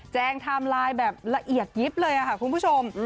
งไทม์ไลน์แบบละเอียดยิบเลยค่ะคุณผู้ชม